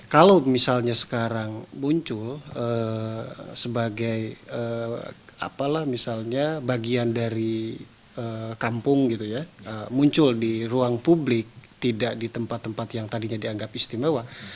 kalau misalnya sekarang muncul sebagai apalah misalnya bagian dari kampung gitu ya muncul di ruang publik tidak di tempat tempat yang tadinya dianggap istimewa